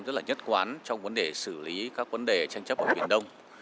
rất là nhất quán trong vấn đề xử lý các vấn đề tranh chấp ở biển đông